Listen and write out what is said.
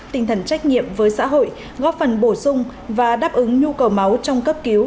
tinh thần trách nhiệm với xã hội góp phần bổ sung và đáp ứng nhu cầu máu trong cấp cứu